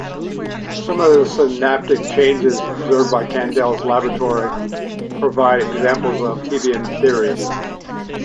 Some of the synaptic changes observed by Kandel's laboratory provide examples of Hebbian theory.